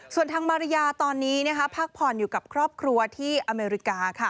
ส่วนทางมาริยาตอนนี้พักผ่อนอยู่กับครอบครัวที่อเมริกา